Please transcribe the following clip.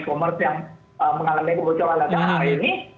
e commerce yang mengalami kebocoran data hari ini